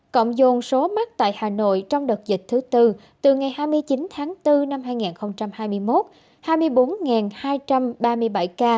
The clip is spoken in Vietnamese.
cộng dồn số mắc tại hà nội trong đợt dịch thứ tư từ ngày hai mươi chín tháng bốn năm hai nghìn hai mươi một hai mươi bốn hai trăm ba mươi bảy ca